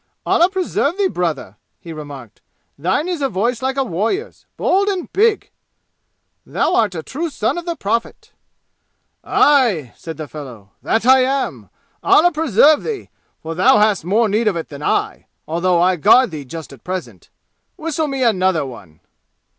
"Allah preserve thee, brother!" he remarked. "Thine is a voice like a warrior's bold and big! Thou art a true son of the Prophet!" "Aye!" said the fellow, "that I am! Allah preserve thee, for thou hast more need of it than I, although I guard thee just at present. Whistle me another one!"